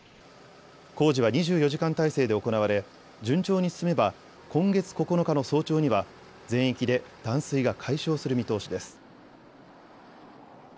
工事は２４時間態勢で行われ順調に進めば今月９日の早朝には全域で断水が解消する見通しです。